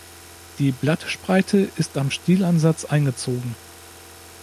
Die Blattspreite ist am Stielansatz eingezogen.